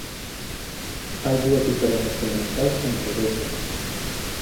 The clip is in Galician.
Hai dúas diferenzas fundamentais entre os dous métodos.